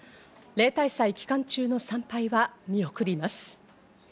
例大祭期間中の参拝は見送ります。